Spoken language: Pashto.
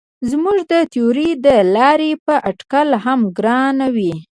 زموږ د تیورۍ له لارې به اټکل هم ګران وي.